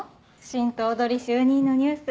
新頭取就任のニュース。